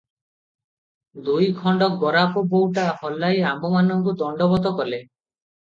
ଦୁଇଖଣ୍ଡ ଗୋରାପ ବାଉଟା ହଲାଇ ଆମ୍ଭମାନଙ୍କୁ ଦଣ୍ଡବତ କଲେ ।